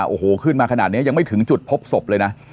โอ้โหขึ้นมาขนาดนี้ยังไม่ถึงจุดพบศพเลยนะ